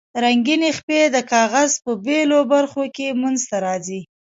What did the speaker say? رنګینې خپې د کاغذ په بیلو برخو کې منځ ته راځي.